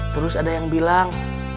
terus ada yang bilang